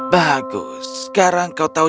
bagus sekarang kau tahu